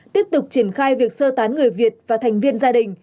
tiếp tục triển khai việc sơ tán người việt và thành viên gia đình